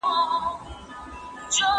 ګونګی سړی کولای سي د ږیري سره ډېري مڼې وخوري.